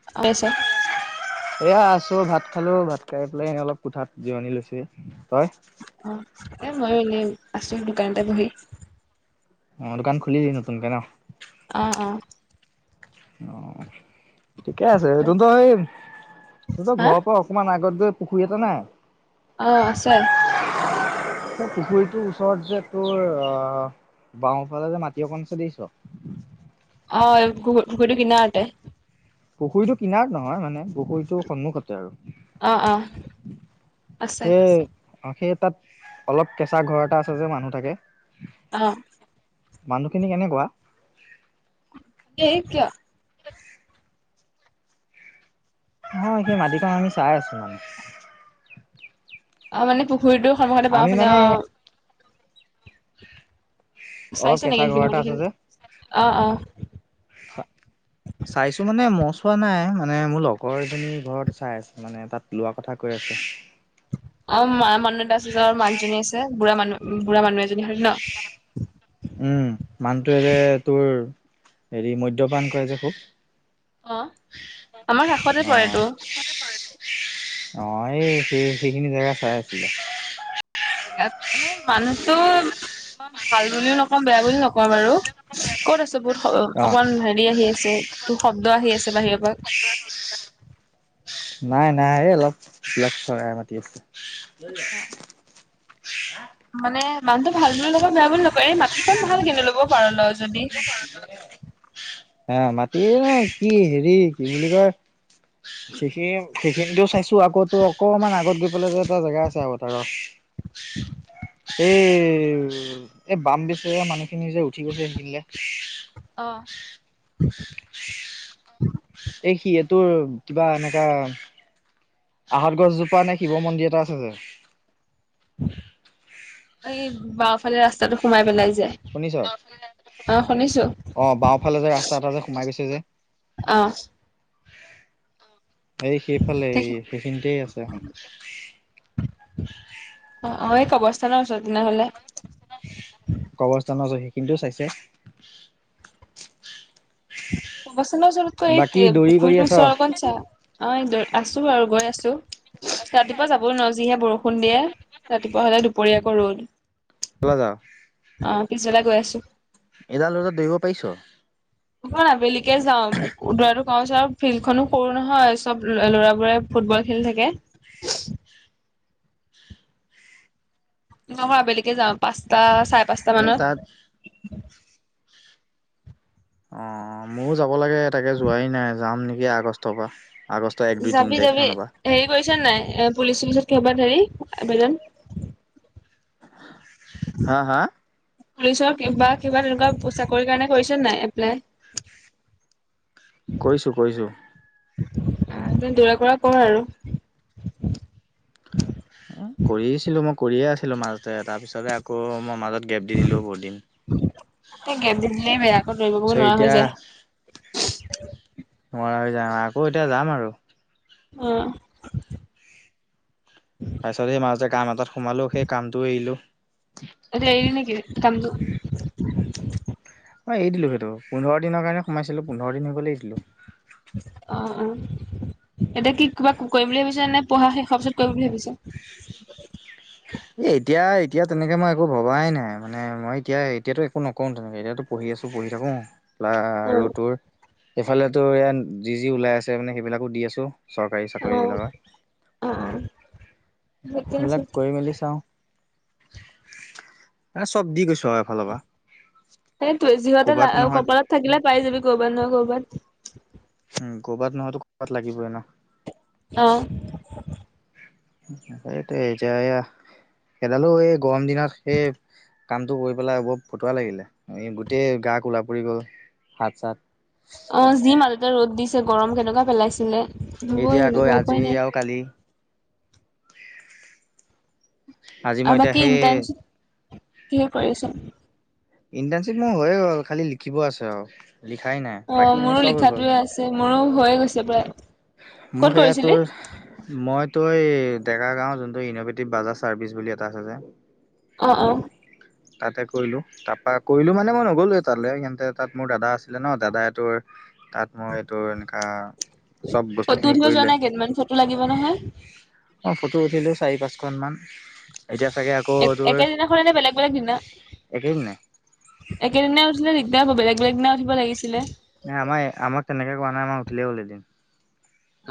[inaudible] এয়া আছো ভাত খালো ভাত খাই পেলাই অলপ কোঠাত জিৰণি লৈছোহি। তই? অ' এ' মই এনেই আছো দোকানতে বহি। অ', দোকান খুলিলি নতুনকে ন'। অ', অ',। অ', ঠিকে আছে, লৈ চাব। তহঁতৰ এই হা ঘৰৰ পৰা অকমান আগত গৈ পুখুৰী এটা নাই। অ', আছে। পুখুৰীটোৰ ওচৰত যে তোৰ, অ' বাওঁফালে যে মাটি অকন আছে দেখিছ? অ', পু- পুখুৰীটোৰ কিনাৰতে। পুখুৰীটো কিনাৰত নহয় মানে পুখুৰীটো টো সন্মুখতে অ', অ'। আৰু, আছে সেইয়ে অ' সেই তাত, অলপ কেঁচা ঘৰ এটা আছে যে মানুহ থাকে। অ', মানুহখিনি কেনেকুৱা? সেই কিয়? নহয়', সেই মাটিতো আমি চাই আছোঁ মানে। অ', মানে পুখুৰীটোৰ সন্মুখতে আমি বাওঁফালে মানে অ'। অলপ চাইছো নেকি কেঁচা ঘৰ সেইখিনি এটা আছে মাটিখিনি? যে অ', অ' চাইছো মানে মই চোৱা নাই, মানে মোৰ লগৰ এজনী ঘৰত চাই আছে মানে তাত লোৱা কথা কৈ আছে। আমাৰ মা মনত আছে নহয় মাক এজনী আছে, বুঢ়া মানুহ বুঢ়া মানুহ এজনী হয় ন'। উম', মানুহটোৱে যে তোৰ হেৰি মদ্যপান কৰে যে খুব? অ', আমাৰ খেশৰটে পৰে অ'। টো। অ', এই সেই সেইখিনি জেগা চাই আছিলে। তাত মানে মানুহতো, ইমান ভাল বুলিও নকওঁ বেয়া বুলিও নকওঁ বাৰু। ক'ত আছ? বহুত অ' অকমান হেৰি আহি আছে, তোৰ শব্দ আহি আছে বাহিৰৰ পৰা। [inaudible] নাই নাই এই অলপ, চৰাই মাতি আছে। অ', মানে মানুহটো ভাল বুলি নকওঁ, বেয়া বুলি নকওঁ এই মাটি কত ভাল কিন্তু ল'ব পাৰ লয় যদি। হা মাতি নে কি হেৰি কি বুলি কয়। সেইখিনি সেইখিনিতেও চাইছো, আকৌ অকমান আগত গৈ পেল এটা জেগা আছে আৰু এটা ৰহ [inaudible] এই এই বাম বেচি মানুহখিনি যে উঠি গৈছে সেইখিনিলে। অ', এই সিহঁতৰ কিবা এনেকা আহঁত গছজোপা নে শিৱ মন্দিৰ এটা আছে যে? এই বাওঁফালে ৰাস্তাটো সোমাই পেলাই যে শুনিছো, অ শুনিছো অ', বাওঁফালে যে ৰাস্তা এটা যে সোমাই গৈছে যে অ', এই সেইফালে এই সেইখিনিতেই আছে এখন। অ', অ', এই কবৰস্থানৰ ওচৰত তেনেহলে। কবৰস্থানৰো ওচৰত সেইখিনিতো চাইছে। কবৰস্থানৰ ওচৰত বাকী এই দৌৰি কৰি পুখুৰীটোৰ আছ ওচৰত অকণ চা। অ', [unintelligible] আছো আৰু গৈ আছো। ৰাতিপুৱা যাবই নোৱাৰো যিহে বৰষুণ দিয়ে, ৰাতিপুৱা হ'লে দুপৰীয়া আকৌ ৰ'দ। ব'লা যাওঁ। অ', পিছবেলা গৈ আছোঁ। এডাল ৰ'দত দৌৰিব পাৰিছোঁ? মই বেলিকে যাওঁ, দৌৰাটো [unintelligible] ফিল্ড খনো সৰু নহয় চ'ব ল'ৰাবোৰে ফুটবল খেলি থাকে। [unintelligible] মই আবেলিকে যাওঁ, পাঁচটা চাৰে পাঁচটা এ মানত। তাত অ', মইও যাব লাগে তাকে যোৱাই নাই যাম নেকি আগষ্টৰ পৰা। আগষ্টৰ এক দুই তিনি যাবি, তাৰিখ যাবি মানৰ পৰা হেৰি কৰিছ নাই, এ, পুলিচ-চুলিচত কিহবাত হেৰি, আবেদন? হা হা পুলিচৰ বা কিবা তেনেকুৱা চাকৰি কাৰণে কৰিছে নাই এপ্লাই? [inaudible] কৰিছোঁ, কৰিছোঁ। আ, ত দৌৰা-কৰা কৰ আৰু। কৰিছিলো মই, কৰিয়ে আছিলো মাজতে তাৰ পিছতে আকৌ মই মাজত গেপ দি দিলোঁ বহুত দিন। এই গেপ দি দিলেই বেয়া আকৌ দৌৰিব কৰিব নোৱাৰা হৈ এতিয়া যায় [unintelligible] যাম আকৌ এতিয়া যাম আৰু। অ'। তাৰ পিছত এই মাজতে কাম এটাত সোমালো, সেই কামটো এৰিলো। সেইটো এৰিলি নেকি কামটো? হয় এই দিলোঁ সেইটো, পোন্ধৰ দিনৰ কাৰণে সোমাইছিলোঁ পোন্ধৰ দিন হৈ গ'ল এৰি দিলোঁ। অ, অ, এতিয়া কি কিবা কৰিম বুলি ভাবিছ নে, পঢ়া শেষ হোৱাৰ পিছত কৰিম বুলি ভাবিছাঁ। এই এতিয়া, এতিয়া তেনেকে মই একো ভবাই নাই, মানে মই এতিয়া এতিয়াতো একো নকওঁ তেনেকে, এতিয়াতো পঢ়ি আছোঁ, পঢ়ি থাকোঁ। অ আৰু তোৰ, এইফালে তোৰ এয়া যি যি ওলাই আছে মানে সেইবিলাকো দি আছোঁ। চৰকাৰী চাকৰি অ বিলাকৰ, অ অ ঠিকে আছে সেইবিলাক কৰি মেলি চাওঁ, এ, চ'ব দি গৈছো আৰু এফালৰ পৰা। সেইটোৱেই যিহেতে ক'ৰবাত এ- নহয় কপালত থাকিলে পাই যাবি, কৰ'বাত নহয় ক'ৰবাত। উম', ক'ৰবাত নহয়তো ক'ৰবাত লাগিবই ন। অ'। এতিয়া এয়া, সেইডালো এই গৰম দিনত সে কামটো কৰি পেলাই বহুত ফতুৱা লাগিলে, এই গোটেই গা কলা পৰি গ'ল। হাত-চাত। অ', যি মাজতে ৰ'দ দিছে গৰম কেনেকুৱা পেলাইছিলে, এতিয়া হ'বৈ আকৌ তেনেকুৱা আজি উপায় নাই। আৰু কালি। আজি মই আমাৰ এতিয়া কি সেই ইণ্টাৰ্ণশ্বিপ কিহৰ কৰি [inaudible] ইণ্টাৰ্ণশ্বিপ মোৰ হৈয়ে গ'ল, খালি লিখিব আছে আও, লিখাই নাই অ বাকী মোৰো ইনে চ'ব হৈ গ'ল। লিখাটোৱে আছে মোৰো হৈয়ে গৈছে প্ৰায়। ক'ত মোক সেয়া কৰিছিলি? তোৰ মই তই এই, ডেকাৰগাঁও যোনটো ইন'ভেটিভ বাজাজ চাৰ্ভিচ বুলি এটা আছে যে। অ', অ'। তাতে কৰিলোঁ। তাপা কৰিলো মানে মই নগ'লোৱেই তালে, কিন্তু তাত মোৰ দাদা আছিলে ন দাদাই তোৰ তাত মই তোৰ এনকা, চ'ব ফটো বস্তুখিনি উঠিব যোৱা কৰিলে। নাই অ', কেইদিনমান ফটো লাগিব নহয়। ফটো উঠিলো চাৰি পাঁচখন মান, এতিয়া চাগে আকৌ এক একেদিনা খনে নে বেলেগ, বেলেগ দিনা? একেদিনাই। একেদিনা উঠিলে দিগদাৰ হবে বেলেগ, বেলেগ দিনা উঠিব লাগিছিলে। নাই আমাৰ আমাক তেনেকৈ কোৱা নাই আমাক উঠিলেই হ'ল এদিন।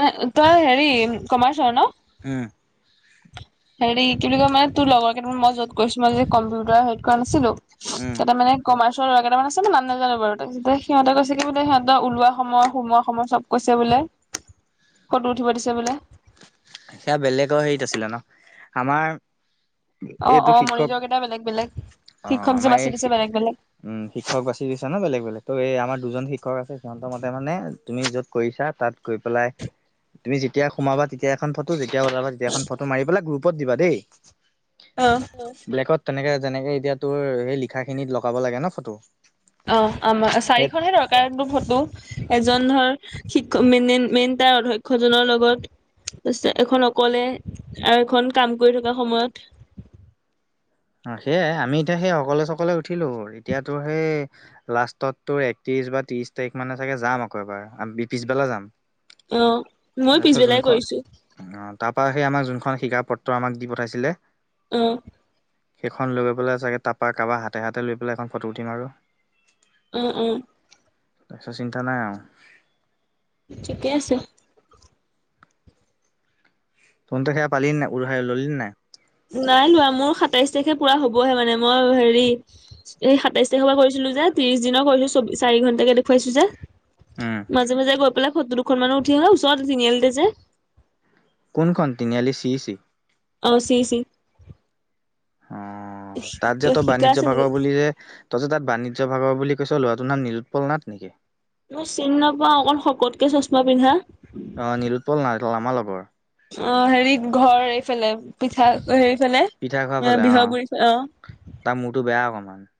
অ তই হেৰি কমাৰ্চৰ হয় নহ। উম। হেৰি কি বুলি কয় মানে তোৰ লগৰ কেইটামান মই য'ত কৰিছোঁ মই যে কম্পিউটাৰ হেৰিত কৰা নাছিলোঁ উম। তাতে মানে। কমাৰ্চৰ কেইটামান আছে নাম নাজানোঁ বাৰু তেতিয়া সিহঁতে কৈছে কি বোলে সিহঁতৰ ওলোৱা সময় সোমোৱা সময় চব কৈছে বোলে। ফটো উঠিব দিছে বোলে। সেয়া বেলেগৰ হেৰিত আছিলে নহ আমাৰ। অ এইটো অ শিক্ষক, মনিটৰ কেইটা বেলেগ বেলেগ অহ শিক্ষক যে আমাৰ বাছি এই। দিছে বেলেগ বেলেগ উম শিক্ষক বাচি দিছা নহ বেলেগ, বেলেগ ত' এই আমাৰ দুজন শিক্ষক আছে সিহঁতৰ মতে মানে তুমি য'ত কৰিছা তাত। গৈ পেলাই তুমি যেতিয়া সোমাবা। [unintelligible] এখন ফটো যেতিয়া উলাবা তেতিয়া এখন ফটো মাৰি পেলাই গ্ৰুপত দিবা দেই। অ। ব্লেকত তেনেকে যেনেকে এতিয়া তোৰ সেই লিখা খিনিত লগাব লাগে নহ ফটো। অ আমা সেই চাৰিখনহে ধৰক কাৰ্ড বা ফটো এজন ধৰ শিক্ষক মেইন তাৰ অধ্যক্ষজনৰ লগত। তাৰপিছত এখন অকলে আৰু এখন কাম কৰি থকা সময়ত। অ সেয়াই আমি এতিয়া সেই অকলে চকলে উঠিলো এতিয়াতো সেই। লাষ্টত তোৰ একত্ৰিশ বা ত্ৰিশ তাৰিখ মানে চাগে যাম আকৌ এবাৰ পিছবেলা যাম। অ মই তাৰপিছত পিছবেলাই যোনখন কৰিছোঁ। অ তাৰ পৰা সেই আমাক যোনখন শিকা পত্ৰ আমাক দি পঠাইছিলে। অ সেইখন লৈ পেলাই চাগে তাৰপৰা কাবাৰ হাতে, হাতে লৈ পেলাই এখন ফটো উঠিম আৰু। উম, উম। সো চিন্তা নাই আৰু। ঠিকে আছে। [unintelligible] পালি নে নাই উলাই ললি নে নাই? নাই লোৱা মোৰ সাতাইশ তাৰিখে পুৰা হ'বহে মানে মই হেৰি। এই সাতাইছ তাৰিখৰ পৰা কৰিছিলো যে ত্ৰিশ দিনৰ কৰিছোঁ চাৰি ঘণ্টাকে দেখুৱাইছো যে। উম মাজে, মাজে গৈ পেলাই ফটো দুখন মান উঠি আহোঁ [unintelligible] তিনিআলিতে যে। কোনখন তিনিআলি চি ই চি। অ চি ই চি। তাত যে কিবা তই শিকা বাণিজ্য আছে ভাগৰ নেকি বুলি যে। তই যে তাত বাণিজ্য বিভাগৰ বুলি কৈছোঁ ল'ৰাটোৰ নাম নিলোৎপল নাথ নেকি? মই চিন নাপাওঁ অকণ শকতকে চচমা পিন্ধা। অ নিলোৎপল নাথ অ আমাৰ লগৰ। অ হেৰি ঘৰ এইফালে পিঠা হেৰি ফালে পিঠা খোৱা ফালে বিহগুৰি অ। তাৰ মূৰটো বেয়া অকণমান।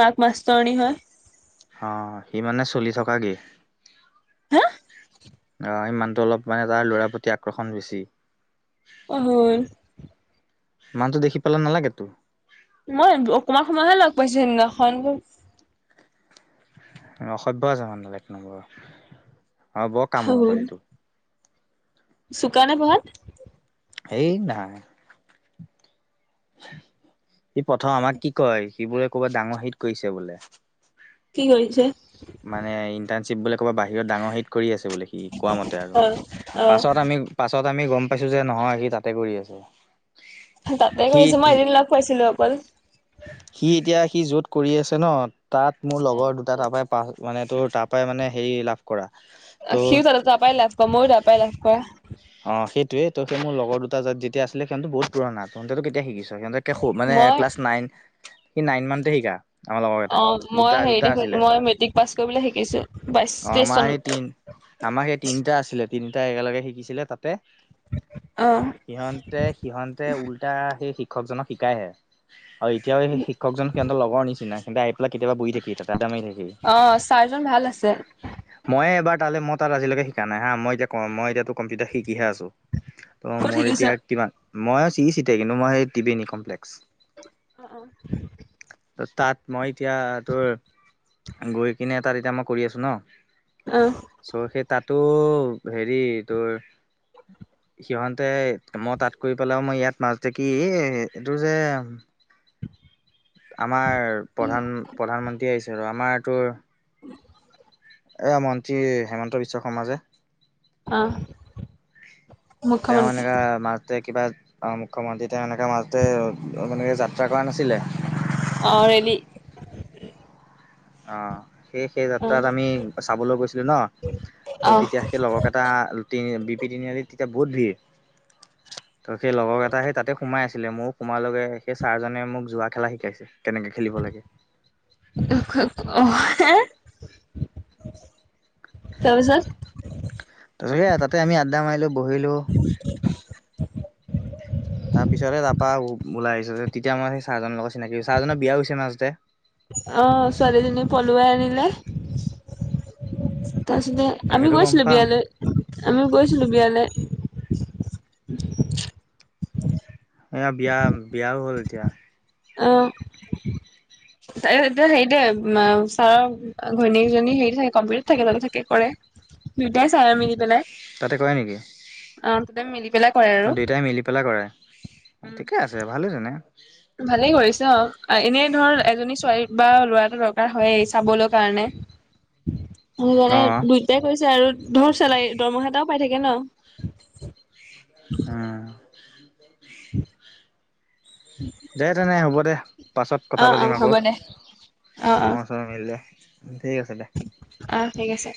মাক মাষ্টৰণী হয়। অ সি মানে চলি থকা গে। হা অ সি মানুহটো অলপ মানে তাৰ ল'ৰাৰ প্ৰতি আকৰ্ষণ বেছি। অ হ'ল। মানুহটো দেখি পেলাই নালাগেতো। মই অকণমান সময়হে লগ পাইছোঁ সেইদিনাখন। অসভ্য আছে মানুহডাল এক নম্বৰ, অ', বৰ কামোৰ পোৱালিটো। চোকা নে পঢ়াত? এই নাই। সি প্ৰথম আমাক কি কয় সি বোৰে ক'বাত ডাঙৰ হিত কৰিছে বোলে। কি কৰিছে? মানে ইণ্টাৰ্ণশ্বিপ বোলে ক'ৰবা বাহিৰৰ ডাঙৰ হেৰিত কৰি আছে। সি কোৱা মতে আৰু, অ অ পাছত আমি পাছত আমি গম পাইছো যে নহয় সি তাতে কৰি আছে। তাতে সি কৰিছে মই এদিন লগ পাইছিলো অকল। সি এতিয়া সি য'ত কৰি আছে ন, তাত মোৰ লগৰ দুটা তাৰ পৰাই পা মানে তোৰ তাৰ পৰাই মানে হেৰি লাভ কৰা। অ', ত' সিউ তাতে তাৰ পৰাই লাভ কৰা ময়ো তাৰ পৰাই লাভ কৰা। অ সেইটোয়েই ত' মোৰ লগৰ দুটা য যেতিয়া আছিলে সিহঁত বহুত পুৰণা তহঁতেটো কেতিয়া শিকিছ সিহঁতে। কে মানে মই ক্লাছ নাইন, সি নাইন মানতে শিকা। আমাৰ লগৰ কেইটাই অঁহ', দুটা মই দুটা হেৰিতে আছিলে মই মেট্ৰিক পাছ কৰিবলৈ শিকিছো বাইশ অ তেইশ আমাৰ সেই চনত। তিন আমাৰ সেই তিনিটা আছিলে তিনিটা একেলগে শিকিছিলে তাতে। অঁহ। সিহঁতে সিহঁতে উল্টা সেই শিক্ষকজনক শিকাইহে। আৰু এতিয়াও সেই শিক্ষকজন সিহঁতৰ লগৰ নিচিনা সিহঁতে আহি পেলাই কেতিয়াবা বহি থাকেহি তাতে আড্ডা মাৰি থাকেহি। অ', চাৰজন ভাল আছে। মইয়ে এবাৰ তালে মই তাত আজিলৈকে শিকা নাই হা, মই এতিয়া ক মই এতিয়া কম্পিউটাৰ শিকিহে আছো। ত' ক'ত মোৰ শিকিছ অ এতিয়া কিমান, ময়ো চি ই চিতে কিন্তু মই সেই টিবেনী কমপ্লেক্স। অঁ', -অঁ',। ত' তাত মই এতিয়া তোৰ, গৈ কিনে তাত এতিয়া মই কৰি আছো ন। অ',। চ' সেই তাতো হেৰি তোৰ সিহঁতে মই তাত কৰি পেলাইও মই ইয়াত মাজতে কি এইটো যে [inaudible] আমাৰ প্ৰধান- প্ৰধানমন্ত্ৰী আহিছে ৰ' আমাৰ তোৰ। উম। এ মন্ত্ৰী হেমন্ত বিশ্ব শৰ্মা যে। অ তেওঁ মুখ্যমন্ত্ৰী এনেকা -তে কিবা অ', মুখ্যমন্ত্ৰী তেওঁ এনেকে মাজতে এনেকে যাত্ৰা কৰা নাছিলে। অ', - ৰেলী। অঁহ', সেই সেই অ যাত্ৰাত আমি চাবলৈ গৈছিলো ন, অ ত' তেতিয়া সেই লগৰ কেইটা লুটি বি পি তিনি আলিত তেতিয়া বহুত ভিৰ। ত' সেই লগৰ কেইটা সেই তাতে সোমাই আছিলে ময়ো সোমালোগে সেই ছাৰজনে মোক যোৱা খেলা শিকাইছিল। কেনেকে খেলিব লাগে। অঁহ', হে, তাৰ পিছত। তাৰপিছত সেইয়া তাতে আমি আড্ডা মাৰিলো বহিলোঁ। তাৰ পিছতে তাৰপৰা ওলাই আহিচো তেতিয়া মই সেই চাৰজনৰ লগত চিনাকি কৰিছো চাৰজনৰ বিয়াও হৈছে মাজতে। অ', ছোৱালীজনী পলুৱাই আনিলে, তাৰপিছতে আৰু আমি সেইটো গম গৈছিলো পাওঁ বিয়ালে, আমিও গৈছিলো বিয়ালে। এয়া বিয়া বিয়াও হ'ল এতিয়া। অ' তে তে হেৰিতে ছাৰক ঘৈনীয়েকজনী হেৰি থাকে কম্পিউটাৰত থাকে তাতে কৰে, দুয়টাই চাই আৰু মিলি পেলাই। তাতে কৰে নেকি? অ' তাতে মিলি পেলাই কৰে। আৰু অ' দুইটাই মিলি পেলাই কৰে, ঠিকে আছে ভালে তেনে। ভালেই কৰিছ অ'। এনেই ধৰ এজনী ছোৱালী বা ল'ৰা এটা দৰকাৰ হয়েই চাবলৈ কাৰণে। অ সেইকাৰনে দুইটাই কৰিছে আৰু ধৰ চেলাৰি দৰমহা এটাও পাই থাকে ন'। উম। [inaudible] [inaudible] দে তেনে হ'ব দে, পাছত কথা অ অ পাতিম আকৌ হ'ব দে অ'। হয় মিলি দে, ঠিক আছে দে। আহ ঠিক আছে।